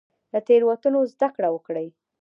له تیروتنو زده کړه وکړئ